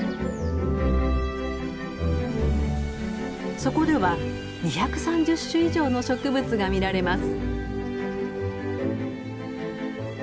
そこでは２３０種以上の植物が見られます。